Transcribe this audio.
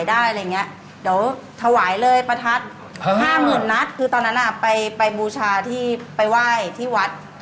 ดีว่าอาทรกิจร